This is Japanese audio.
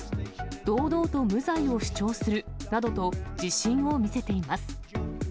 堂々と無罪を主張するなどと自信を見せています。